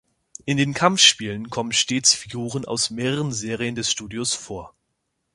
In den Kampfspielen kommen stets Figuren aus mehreren Serien des Studios vor.